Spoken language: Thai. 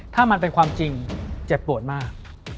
ถ้ามันเป็นความจริงเจ็บปวดมาก